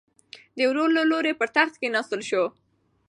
د ورور له لوري پر تخت کېناستل شو.